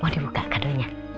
mau dibuka kadonya